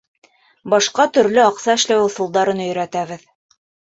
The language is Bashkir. Башҡа төрлө аҡса эшләү ысулдарын өйрәтәбеҙ.